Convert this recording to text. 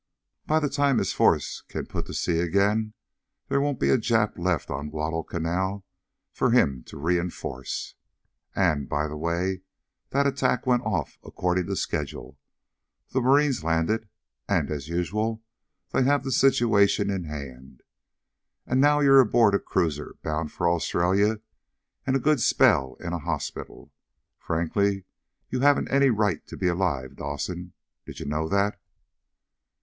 By the time his force can put to sea again there won't be a Jap left on Guadalcanal for him to reenforce. And by the way, that attack went off according to schedule. The Marines landed, and as usual they have the situation in hand. And now you're aboard a cruiser bound for Australia and a good spell in a hospital. Frankly, you haven't any right to be alive, Dawson. Did you know that?"